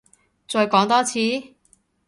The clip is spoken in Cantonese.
再講多次？